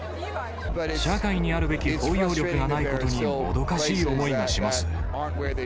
社会にあるべき包容力がないことにもどかしい思いがします。